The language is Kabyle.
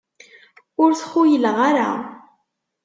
Ur t-xuyleɣ ara.